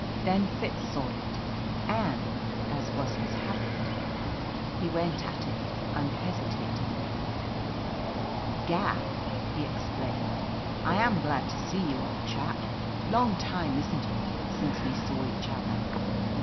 Then Fitz saw it, and, as was his habit, he went at it unhesitatingly "Gad!" he explained, "I am glad to see you, old chap. Long time, isn't it, since we saw each other?